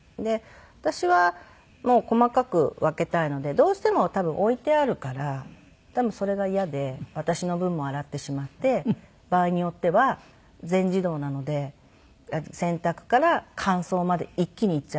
私はもう細かく分けたいのでどうしても多分置いてあるから多分それが嫌で私の分も洗ってしまって場合によっては全自動なので洗濯から乾燥まで一気にいっちゃう事があって。